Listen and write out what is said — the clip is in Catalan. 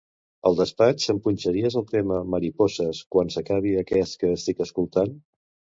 Al despatx em punxaries el tema "Mariposas" quan s'acabi aquest que estic escoltant?